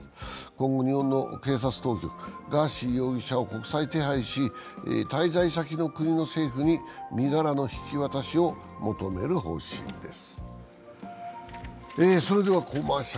今後、日本の警察当局、ガーシー容疑者を国際手配し滞在先の国の政府に身柄の引き渡しを求める方針です。